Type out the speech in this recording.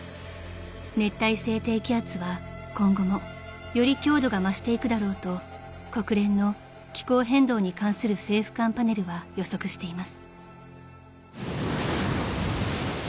［熱帯性低気圧は今後もより強度が増していくだろうと国連の気候変動に関する政府間パネルは予測しています］